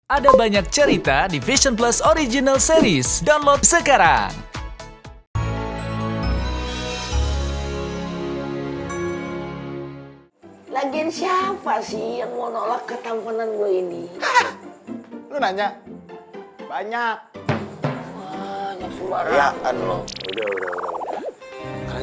ada banyak cerita di vision plus original series download sekarang